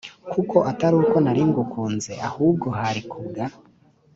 koko atari uko nari ngukunze ahubwo hari kubwa